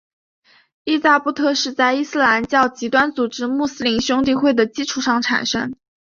伊扎布特是在伊斯兰教极端组织穆斯林兄弟会的基础上产生。